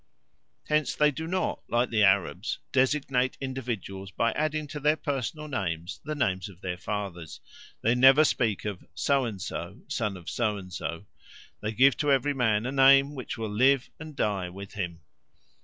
Hence they do not, like the Arabs, designate individuals by adding to their personal names the names of their fathers; they never speak of So and so, son of So and so; they give to every man a name which will live and die with him.